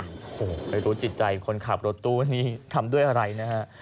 โอ้โหไม่รู้จิตใจคนขับรถตู้นี้ทำด้วยอะไรนะฮะ